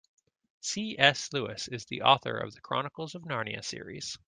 C.S. Lewis is the author of The Chronicles of Narnia series.